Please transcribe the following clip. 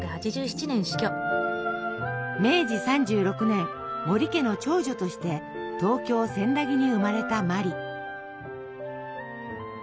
明治３６年森家の長女として東京千駄木に生まれた茉莉。